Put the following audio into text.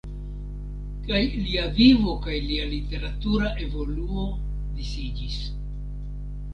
Kaj lia vivo kaj lia literatura evoluo disiĝis.